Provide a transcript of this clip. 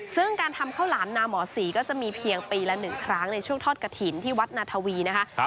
ซึ่งการทำข้าวหลามนาหมอศรีก็จะมีเพียงปีละ๑ครั้งในช่วงทอดกระถิ่นที่วัดนาธวีนะคะ